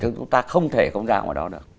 để chúng ta không thể không ra ngoài đó được